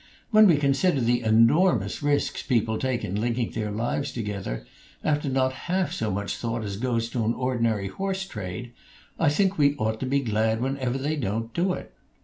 When we consider the enormous risks people take in linking their lives together, after not half so much thought as goes to an ordinary horse trade, I think we ought to be glad whenever they don't do it.